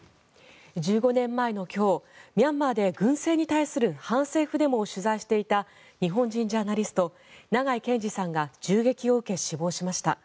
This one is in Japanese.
１５年前の今日ミャンマーで軍政に対する反政府デモを取材していた日本人ジャーナリスト長井健司さんが銃撃を受け死亡しました。